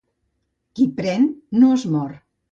Qui pren, no es mor.